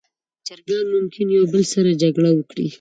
چرګان ممکن یو بل سره جګړه وکړي.